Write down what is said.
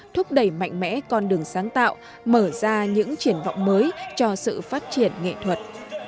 thúc đẩy mạnh mẽ con đường sáng tạo mở ra những triển vọng mới cho sự phát triển nghệ thuật